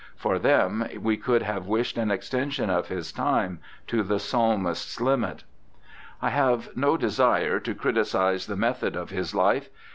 For them we could have wished an extension of his time to the Psalmist's hmit. I have no desire to criticize the method of his life.